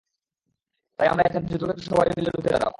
তাই আমরা এখানে যুদ্ধক্ষেত্রে সবাই মিলে রুখে দাঁড়াবো।